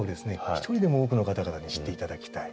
１人でも多くの方々に知って頂きたい。